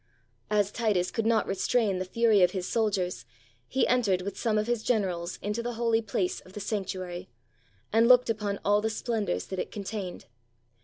As Titus could not restrain the fury of his soldiers, he entered with some of his generals into the holy place of the sanctuary, and looked upon all the splendors that it contained.